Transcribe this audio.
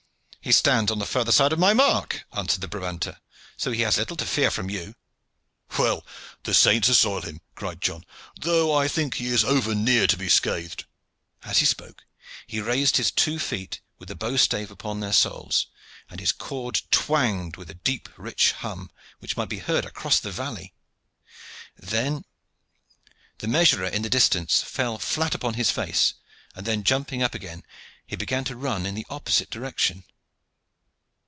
"He stands on the further side of my mark," answered the Brabanter, "so he has little to fear from you." "Well, the saints assoil him!" cried John. "Though I think he is over near to be scathed." As he spoke he raised his two feet, with the bow stave upon their soles, and his cord twanged with a deep rich hum which might be heard across the valley. The measurer in the distance fell flat upon his face, and then jumping up again, he began to run in the opposite direction.